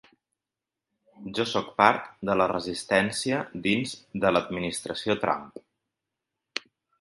Jo sóc part de la resistència dins de l’administració Trump.